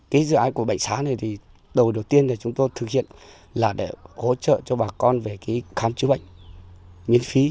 cái dự án của bệnh xá này thì đầu đầu tiên chúng tôi thực hiện là để hỗ trợ cho bà con về cái khám chứa bệnh miễn phí